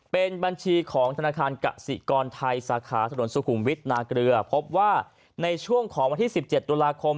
เป็นบัญชีของธนาคารกสิกรไทยสาขาถนนสุขุมวิทย์นาเกลือพบว่าในช่วงของวันที่๑๗ตุลาคม